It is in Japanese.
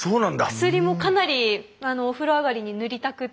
薬もかなりお風呂上がりに塗りたくって。